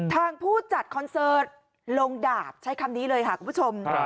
ผู้จัดคอนเสิร์ตลงดาบใช้คำนี้เลยค่ะคุณผู้ชม